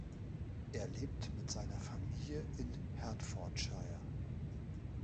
Er lebt mit seiner Familie in Hertfordshire.